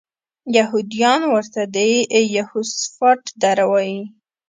یهودان ورته د یهوسفات دره وایي.